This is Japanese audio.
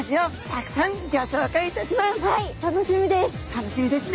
楽しみです！